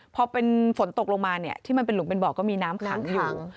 พอเป็นฝนตกลงมาเนี่ยที่มันเป็นหลุมเป็นบ่อก็มีน้ำขังอยู่